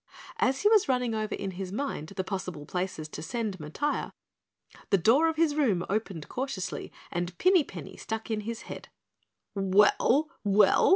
As he was running over in his mind possible places to send Matiah, the door of his room opened cautiously and Pinny Penny stuck in his head. "Well! Well?